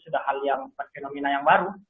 sudah hal yang bukan fenomena yang baru